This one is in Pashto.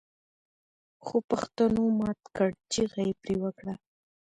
خوپښتنو مات کړ چيغه يې پرې وکړه